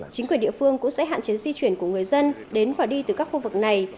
chính quyền địa phương cũng sẽ hạn chế di chuyển của người dân đến và đi từ các khu vực này